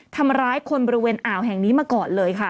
ทำร้ายคนบริเวณอ่าวแห่งนี้มาก่อนเลยค่ะ